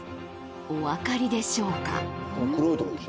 おわかりでしょうか？